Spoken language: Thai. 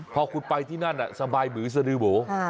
พอคุณไปที่นั่นน่ะสบายหมือสะดื้อโหม